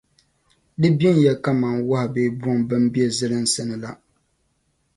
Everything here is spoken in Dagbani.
Di benya kaman wɔhu bee buŋa bɛn be zilinsi ni la.